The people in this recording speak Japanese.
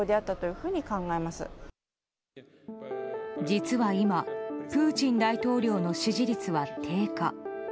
実は今、プーチン大統領の支持率は低下。